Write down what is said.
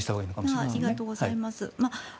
ありがとうございます。